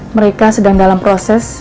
mereka sedang dalam proses